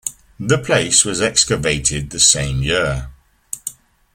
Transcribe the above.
The place was excavated the same year.